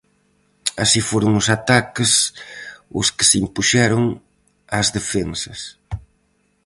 Así foron os ataques os que se impuxeron ás defensas.